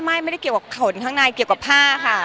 ไม่ได้เกี่ยวกับขนข้างในเกี่ยวกับผ้าค่ะ